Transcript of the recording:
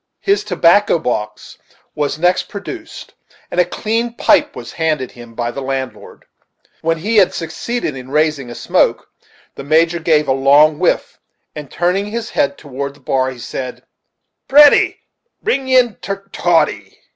His tobacco box was next produced, and a clean pipe was handed him by the landlord. When he had succeeded in raising a smoke, the Major gave a long whiff, and, turning his head toward the bar, he said: "Petty, pring in ter toddy."